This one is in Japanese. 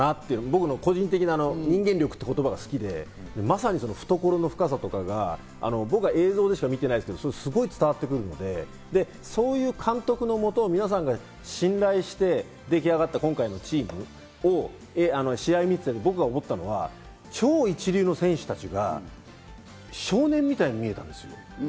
僕の個人的な人間力って言葉が好きで、まさに懐の深さとかが、僕は映像でしか見てないですけど、すごい伝わってくるので、そういう監督の下、皆さんが信頼して出来上がった今回のチームを試合を見ていて僕が思ったのは超一流の選手たちが少年みたいに見えたんですよ。